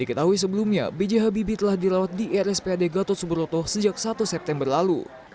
diketahui sebelumnya b j habibie telah dilawat di rs pad gatot suburoto sejak satu september lalu